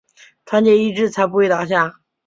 团结一致才不会倒下